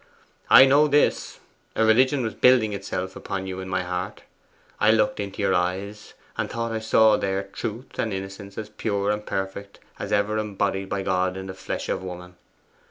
I know this: a religion was building itself upon you in my heart. I looked into your eyes, and thought I saw there truth and innocence as pure and perfect as ever embodied by God in the flesh of woman.